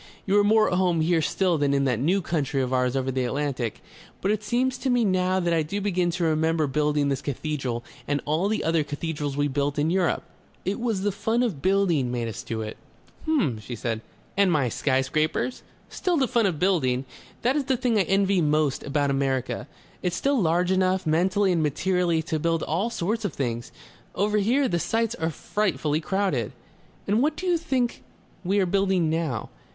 "You are more at home here still than in that new country of ours over the Atlantic. But it seems to me now that I do begin to remember building this cathedral and all the other cathedrals we built in Europe.... It was the fun of building made us do it..." "H'm," she said. "And my sky scrapers?" "Still the fun of building. That is the thing I envy most about America. It's still large enough, mentally and materially, to build all sorts of things.... Over here, the sites are frightfully crowded...." "And what do you think we are building now?